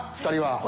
２人は。